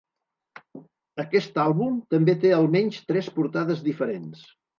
Aquest àlbum també té almenys tres portades diferents.